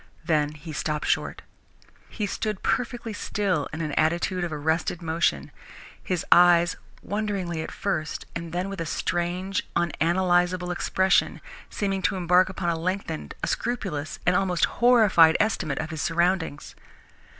Then he stopped short. He stood perfectly still in an attitude of arrested motion, his eyes, wonderingly at first, and then with a strange, unanalysable expression, seeming to embark upon a lengthened, a scrupulous, an almost horrified estimate of his surroundings.